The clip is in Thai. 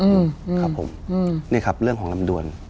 เนี่ยครับเรื่องของลำดวน